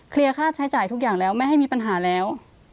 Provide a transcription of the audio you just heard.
ค่าใช้จ่ายทุกอย่างแล้วไม่ให้มีปัญหาแล้ว